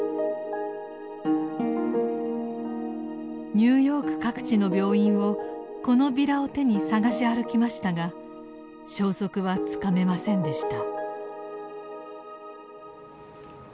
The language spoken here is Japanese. ニューヨーク各地の病院をこのビラを手に捜し歩きましたが消息はつかめませんでした。